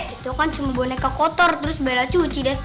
itu kan cuma boneka kotor terus bella cuci deh